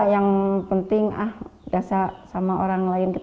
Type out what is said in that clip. yang penting ah biasa sama orang lain